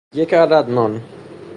یک عدد نان